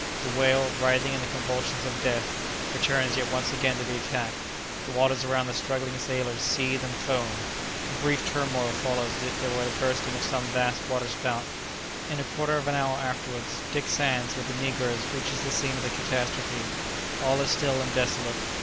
The whale, writhing in the convulsions of death, returns yet once again to the attack; the waters around the struggling sailors seethe and foam. A brief turmoil follows as if there were the bursting of some vast waterspout. In a quarter of an hour afterwards, Dick Sands, with the negroes, reaches the scene of the catastrophe. All is still and desolate.